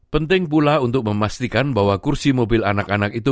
penting pula untuk memastikan bahwa kursi mobil anak anak itu